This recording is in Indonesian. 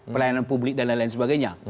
pelayanan publik dan lain lain sebagainya